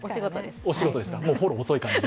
お仕事です。